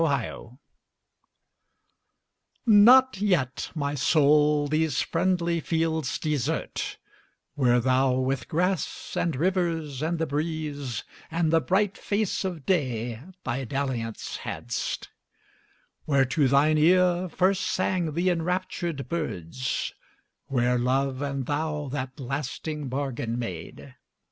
XXIV NOT yet, my soul, these friendly fields desert, Where thou with grass, and rivers, and the breeze, And the bright face of day, thy dalliance hadst; Where to thine ear first sang the enraptured birds; Where love and thou that lasting bargain made.